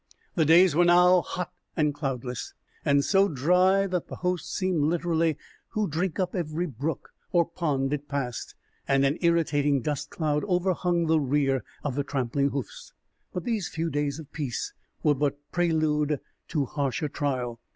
The days were now hot and cloudless, and so dry that the host seemed literally to drink up every brook or pond it passed, and an irritating dust cloud overhung the rear of the trampling hoofs. But these few days of peace were but prelude to harsher trial.